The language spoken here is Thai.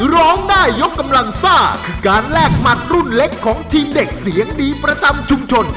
ร้องได้ยกกำลังซ่าคือการแลกหมัดรุ่นเล็กของทีมเด็กเสียงดีประจำชุมชน